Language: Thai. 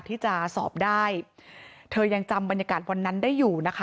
ที่จะสอบได้เธอยังจำบรรยากาศวันนั้นได้อยู่นะคะ